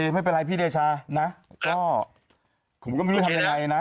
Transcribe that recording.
ไม่เป็นไรพี่เดชานะก็ผมก็ไม่รู้จะทำยังไงนะ